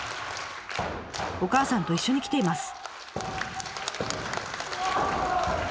お母さんと一緒に来ています。